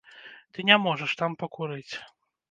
Ты не можаш там пакурыць.